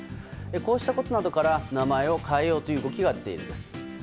こうしたことなどから名前を変えようという動きが出ています。